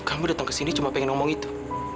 kamu datang kesini cuma pengen ngomong itu